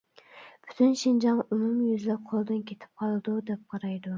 پۈتۈن شىنجاڭ ئومۇميۈزلۈك قولدىن كېتىپ قالىدۇ دەپ قارايدۇ.